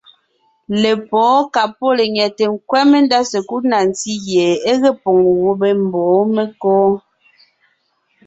Lepwóon ka pɔ́ lenyɛte nkwɛ́ mendá sekúd na ntí gie é ge poŋ gubé mbɔ̌ menkǒ.